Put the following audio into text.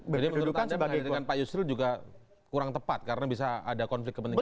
jadi menurut anda pengajaran pak yusril juga kurang tepat karena bisa ada konflik kepentingan